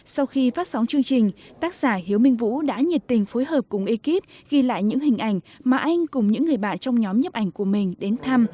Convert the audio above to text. sau khi phát sóng chương trình tác giả hiếu minh vũ đã nhiệt tình phối hợp cùng ekip ghi lại những hình ảnh mà anh cùng những người bạn trong nhóm nhấp ảnh của mình đến thăm